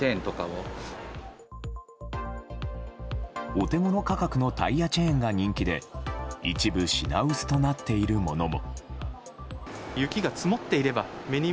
お手ごろ価格のタイヤチェーンが人気で一部、品薄となっているものも。